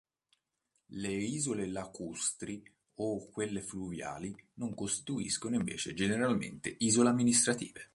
Le isole lacustri o quelle fluviali non costituiscono invece generalmente isole amministrative.